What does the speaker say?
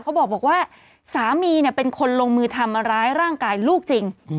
เขาบอกว่าสามีเป็นคนลงมือทำร้ายร่างกายลูกจริง